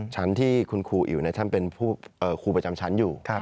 ชั้นที่คุณครูอิ๋วท่านเป็นครูประจำชั้นอยู่